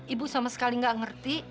ibu sama sekali nggak ngerti